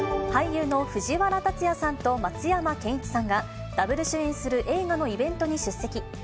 俳優の藤原竜也さんと松山ケンイチさんが、ダブル主演する映画のイベントに出席。